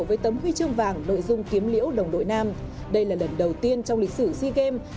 với tấm huy chương vàng nội dung kiếm liễu đồng đội nam đây là lần đầu tiên trong lịch sử sea games